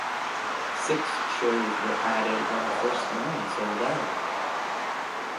Six shows were added when the first nine sold out.